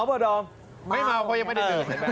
ไปไหนก็ไป